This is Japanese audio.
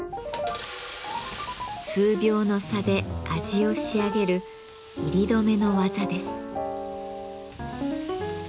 数秒の差で味を仕上げる煎り止めの技です。